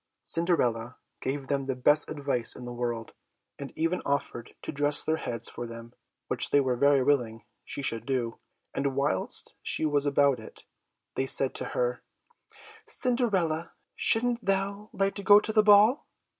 Cinderella gave them the best advice in the world, and even offered to dress their heads for them, which they were very willing she should do; and whilst she was about it, they said to her, "Cinderella, shouldst thou like to go to the ball?"